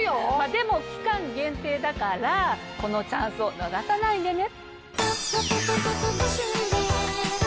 でも期間限定だからこのチャンスを逃さないでね。